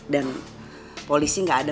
dan polisi gak ada